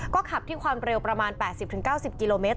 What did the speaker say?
ก็ขับที่ความเร็วประมาณ๘๐๙๐กิโลเมตร